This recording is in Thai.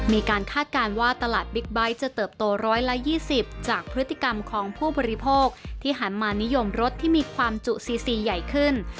คาดการณ์ว่าตลาดบิ๊กไบท์จะเติบโต๑๒๐จากพฤติกรรมของผู้บริโภคที่หันมานิยมรถที่มีความจุซีซีใหญ่ขึ้น